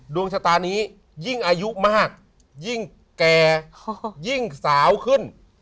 ดวงชะตานี้ยิ่งอายุมากยิ่งแก่ยิ่งสาวขึ้น